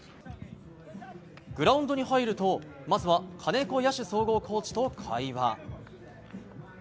グラウンドに入るとまずは金子野手総合コーチと会話。